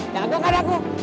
jago gak beb